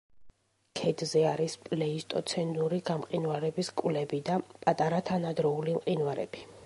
ქედზე არის პლეისტოცენური გამყინვარების კვლები და პატარა თანადროული მყინვარები.